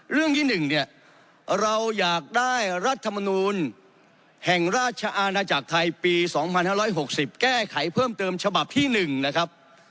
เรื่องที่๑เนี่ยเราอยากได้รัฐมนูลแห่งราชอาณาจักรไทยปี๒๕๖๐แก้ไขเพิ่มเติมฉบับที่๑นะครับ